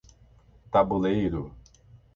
Tabuleiro